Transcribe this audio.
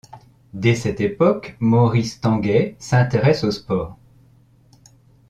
Dès cette époque Maurice Tanguay s'intéresse au sport.